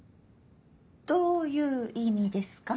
どういう意味ですか？